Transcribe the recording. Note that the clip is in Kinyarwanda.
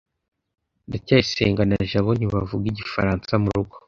ndacyayisenga na jabo ntibavuga igifaransa murugo